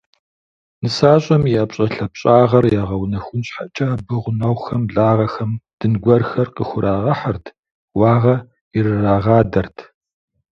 НысащӀэм и ӀэпщӀэлъапщӀагъэр ягъэунэхун щхьэкӀэ абы гъунэгъухэм, благъэхэм дын гуэрхэр къыхурагъэхьырт, уагъэ ирырагъадэрт.